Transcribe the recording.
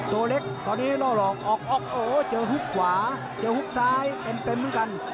ตัวเล็กตอนนี้ล่อหลอกออกโอ้โหเจอฮุกขวาเจอฮุกซ้ายเต็มเหมือนกัน